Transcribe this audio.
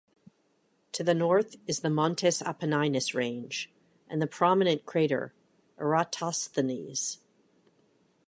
To the north is the Montes Apenninus range and the prominent crater Eratosthenes.